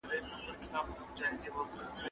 اویا او لس؛ اتیا کېږي.